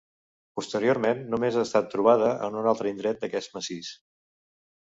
Posteriorment només ha estat trobada en un altre indret d'aquest massís.